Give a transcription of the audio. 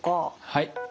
はい。